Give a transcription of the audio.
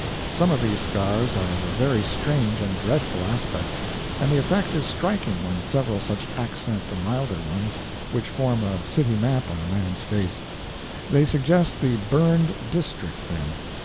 Some of these scars are of a very strange and dreadful aspect; and the effect is striking when several such accent the milder ones, which form a city map on a man's face; they suggest the "burned district" then.